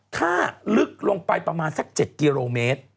ถ้าลึกลงไปประมาณสัก๗กิโลเมตร